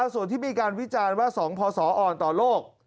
ส่วนที่มีการวิจารณ์ว่า๒พศอ่อนต่อโลก